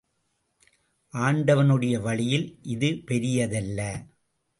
ஆண்டவனுடைய வழியில் இது பெரிதல்ல.